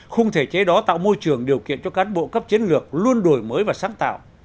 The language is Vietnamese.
khung thể chế đó tạo môi trường điều kiện cho cán bộ cấp chiến lược luôn đổi mới và sáng tạo